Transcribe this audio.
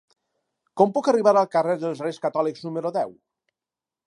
Com puc arribar al carrer dels Reis Catòlics número deu?